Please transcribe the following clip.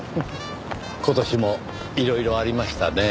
今年もいろいろありましたねぇ。